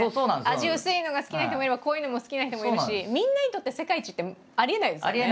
味薄いのが好きな人もいれば濃いのも好きな人もいるしみんなにとって世界一ってありえないですもんね。